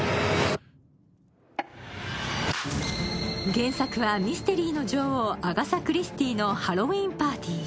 原作はミステリーの女王、アガサ・クリスティの「ハロウィーン・パーティー」。